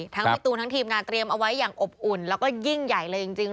พี่ตูนทั้งทีมงานเตรียมเอาไว้อย่างอบอุ่นแล้วก็ยิ่งใหญ่เลยจริง